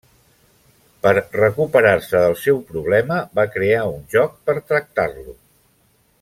Per recuperar-se del seu problema, va crear un joc per tractar-lo.